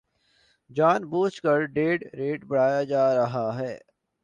جان بوجھ کر death rate بڑھایا جا رہا ہے